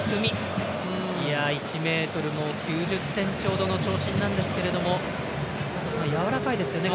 １ｍ９０ｃｍほどの長身なんですけどもやわらかいですよね。